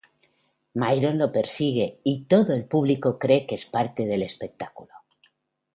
Myron lo persigue y todo el público cree que es parte del espectáculo.